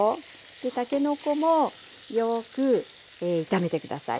たけのこもよく炒めて下さい。